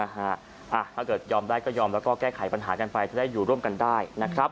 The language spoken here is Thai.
ถ้าเกิดยอมได้ก็ยอมแล้วก็แก้ไขปัญหากันไปจะได้อยู่ร่วมกันได้นะครับ